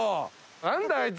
何だ⁉あいつ。